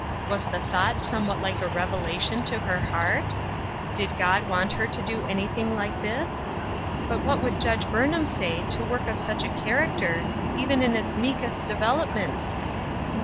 Was the thought somewhat like a revelation to her heart ? Did God want her to do anything like this ? But what would Judge Burn ham say to work of such a character, even in its meekest developments